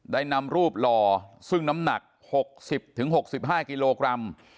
ได้นำรูปหล่อซึ่งน้ำหนักหกสิบถึงหกสิบห้ากิโลกรัม